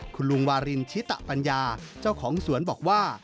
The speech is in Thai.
คุณลุงวารินชิตปัญญาเจ้าของสวนบอกว่า